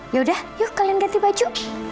yaudah yuk kalian ganti baju